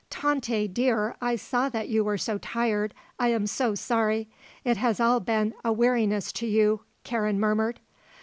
"Tante, dear, I saw that you were so tired, I am so sorry. It has all been a weariness to you," Karen murmured.